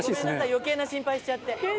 「余計な心配しちゃって」